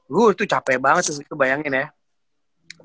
gue tuh capek banget terus gitu bayangin ya